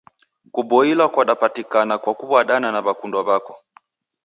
Kuboilwa kwadapatika kwa kuw'adana na w'akundwa w'ako.